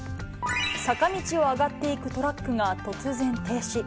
坂道を上がっていくトラックが突然停止。